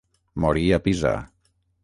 Morí a Pisa.